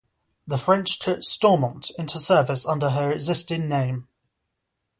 The French took "Stormont" into service under her existing name.